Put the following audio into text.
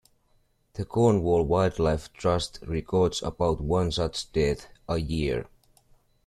The Cornwall Wildlife Trust records about one such death a year.